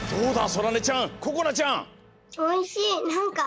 そらねちゃんここなちゃん。